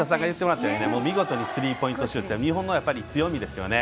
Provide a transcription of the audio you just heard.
見事にスリーポイントシュート日本の強みですよね。